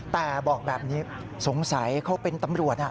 แต่บอกแบบนี้สงสัยเขาเป็นตำรวจ